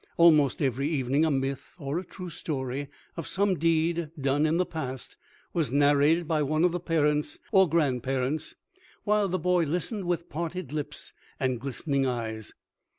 Almost every evening a myth, or a true story of some deed done in the past, was narrated by one of the parents or grand parents, while the boy listened with parted lips and glistening eyes.